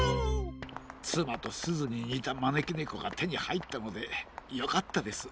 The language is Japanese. つまとすずににたまねきねこがてにはいったのでよかったです。